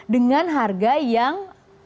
dengan harga yang